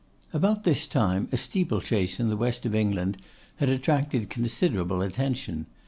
About this time a steeple chase in the West of England had attracted considerable attention.